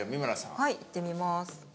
はいいってみます。